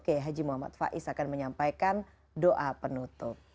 kiai haji muhammad faiz akan menyampaikan doa penutup